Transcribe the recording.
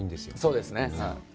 そうですね。